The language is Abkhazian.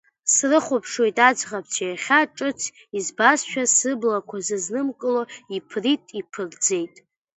Срыхәаԥшуеит аӡӷабцәа, иахьа ҿыц избазшәа, сыблақәа сызнымкыло иԥрит, иԥырӡеит…